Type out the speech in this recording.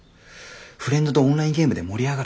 フレンドとオンラインゲームで盛り上がる。